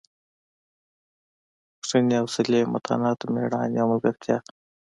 بښنې حوصلې متانت مېړانې او ملګرتیا.